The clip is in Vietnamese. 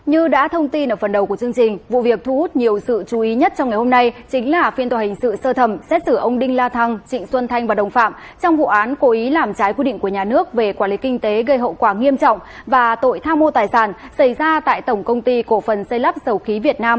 hãy đăng ký kênh để ủng hộ kênh của chúng mình nhé